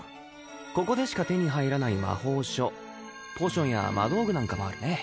ここでしか手に入らない魔法書ポーションや魔道具なんかもあるね